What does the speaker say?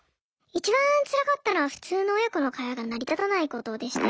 一番つらかったのは普通の親子の会話が成り立たないことでしたね。